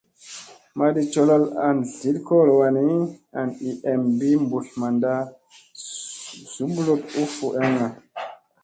Madi colool an tliɗ kolo wani, an i em ɓii mɓutl manda zubluɗ u fu eŋga.